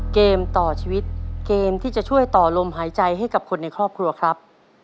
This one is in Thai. เกมต่อชีวิตเกมที่จะช่วยต่อลมหายใจให้กับคนในครอบครัวครับ